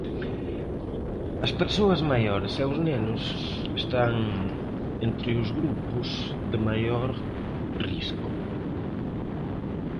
As persoas maiores e os nenos están entre os grupos de maior risco.